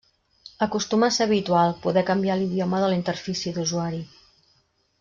Acostuma a ser habitual poder canviar l'idioma de la interfície d'usuari.